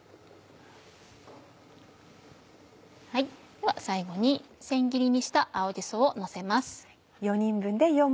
では最後に千切りにした青じそをのせます。